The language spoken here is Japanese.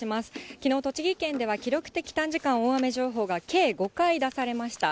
きのう、栃木県では記録的短時間大雨情報が計５回、出されました。